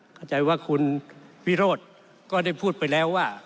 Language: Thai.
เข้าใจว่าคุณวิโรธก็ได้พูดไปแล้วว่า